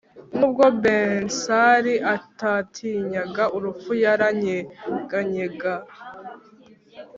nubwo bensali atatinyaga urupfu, yaranyeganyega